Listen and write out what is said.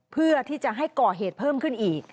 เพื่อที่จะให้ก่อเหตุเพิ่มขึ้นอีก